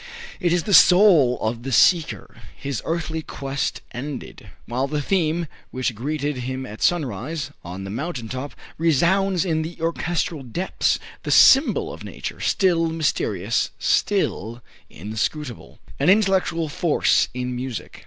It is the soul of the seeker, his earthly quest ended; while the theme which greeted him at sunrise on the mountain top resounds in the orchestral depths, the symbol of Nature, still mysterious, still inscrutable. An Intellectual Force in Music.